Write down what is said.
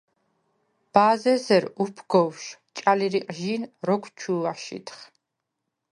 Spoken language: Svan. ბა̄ზ’ ესერ უფგოვშ ჭალი რიყჟი̄ნ როგვ ჩუ̄ვ აშიდხ.